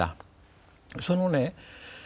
そのね